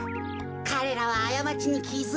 かれらはあやまちにきづいた。